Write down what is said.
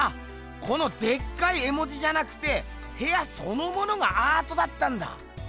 このでっかい絵文字じゃなくてへやそのものがアートだったんだ！